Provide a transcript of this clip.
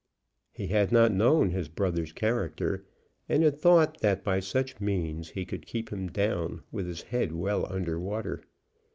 He had not known his brother's character, and had thought that by such means he could keep him down, with his head well under water.